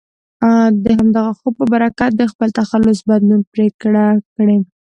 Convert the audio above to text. د همدغه خوب په برکت یې د خپل تخلص بدلون پرېکړه کړې.